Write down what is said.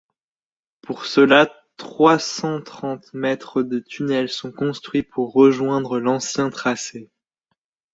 Pour cela trois-cent-trente mètres de tunnel sont construits pour rejoindre l'ancien tracé.